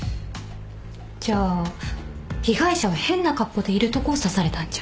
じゃあ被害者は変な格好でいるとこを刺されたんじゃ？